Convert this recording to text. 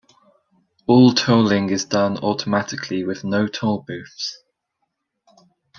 All tolling is done automatically with no tollbooths.